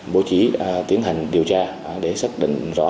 bố trí tiến hành điều tra để xác định rõ